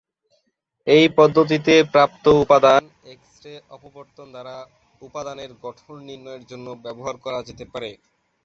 এই পদ্ধতিতে প্রাপ্ত উপাদান এক্স-রে অপবর্তন দ্বারা উপাদানের গঠন নির্ণয়ের জন্য ব্যবহার করা যেতে পারে।